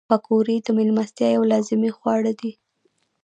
پکورې د میلمستیا یو لازمي خواړه دي